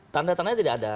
tanda tandanya tidak ada